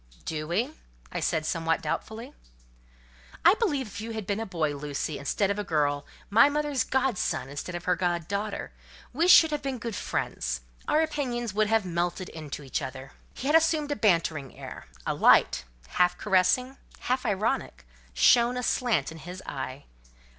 "Do we?" I said, somewhat doubtfully. "I believe if you had been a boy, Lucy, instead of a girl—my mother's god son instead of her god daughter, we should have been good friends: our opinions would have melted into each other." He had assumed a bantering air: a light, half caressing, half ironic, shone aslant in his eye.